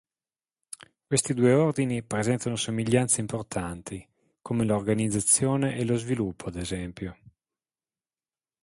Questi due ordini presentano somiglianze importanti come l'organizzazione e lo sviluppo ad esempio.